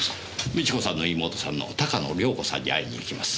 美智子さんの妹さんの鷹野涼子さんに会いに行きます。